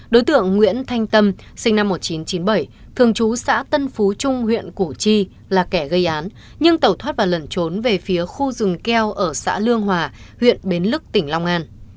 đối tượng nguyễn thanh tâm sinh năm một nghìn chín trăm chín mươi bảy thường trú xã tân phú trung huyện củ chi là kẻ gây án nhưng tẩu thoát và lẩn trốn về phía khu rừng keo ở xã lương hòa huyện bến lức tỉnh long an